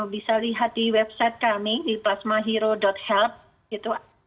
bisa lihat di website kami di plasmahero help